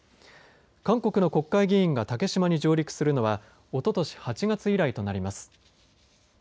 韓国の国会議員が竹島に上陸するのはおととし８月以来となります。